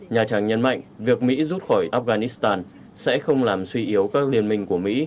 nhà trắng nhấn mạnh việc mỹ rút khỏi afghanistan sẽ không làm suy yếu các liên minh của mỹ